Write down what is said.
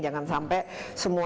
jangan sampai semuanya bergantung